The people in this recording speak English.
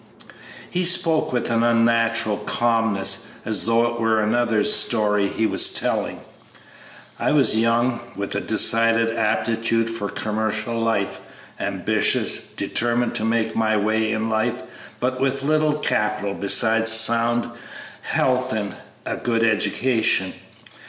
He spoke with an unnatural calmness, as though it were another's story he was telling. "I was young, with a decided aptitude for commercial life, ambitious, determined to make my way in life, but with little capital besides sound health and a good education.